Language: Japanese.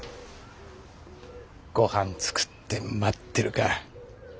ごはん作って待ってるか。